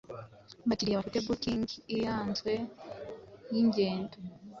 Abakiriya bafite booking ianzwe yingendo